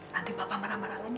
nanti bapak marah marah lagi ya